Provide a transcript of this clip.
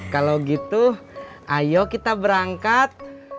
kalau gitu ayo kita berangkat